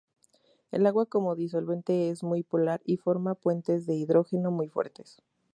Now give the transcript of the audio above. El agua como disolvente es muy polar y forma puentes de hidrógeno muy fuertes.